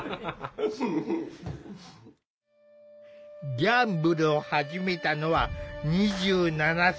ギャンブルを始めたのは２７歳。